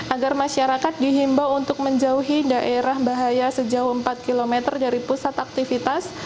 agar masyarakat dihimbau untuk menjauhi daerah bahaya sejauh empat km dari pusat aktivitas